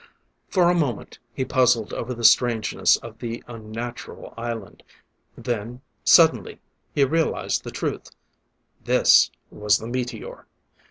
For a moment he puzzled over the strangeness of the unnatural island; then suddenly he realized the truth. This was the meteor!